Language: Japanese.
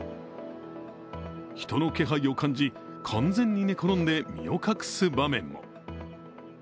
人の気配を感じ、完全に寝転んで身を隠す場面も。